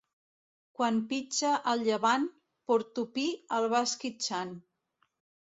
Quan pitja el llevant, Portopí el va esquitxant.